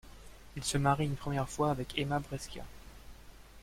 Il se marie une première fois avec Emma Brescia.